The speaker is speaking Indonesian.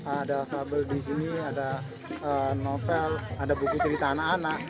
ada kabel di sini ada novel ada buku cerita anak anak